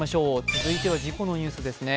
続いては事故のニュースですね。